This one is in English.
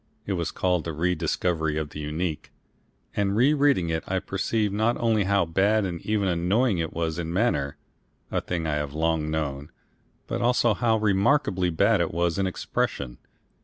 It was called the "Rediscovery of the Unique," and re reading it I perceive not only how bad and even annoying it was in manner a thing I have long known but also how remarkably bad it was in expression.